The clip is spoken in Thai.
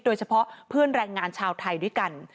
โดยเฉพาะเพื่อนแรงงานชาวไทยด้วยกัน